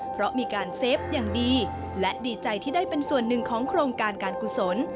เพราะมีการเซฟอย่างดีและดีใจที่ได้เป็นส่วนหนึ่งของโครงการการกุศล